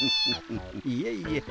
いえいえ。